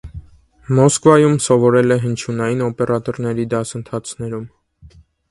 Մոսկվայում սովորել է հնչյունային օպերատորների դասընթացներում։